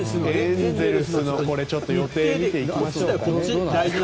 エンゼルスの予定見ていきましょうか。